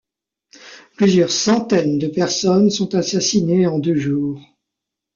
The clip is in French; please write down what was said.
Plusieurs centaines de personnes sont assassinées en deux jours.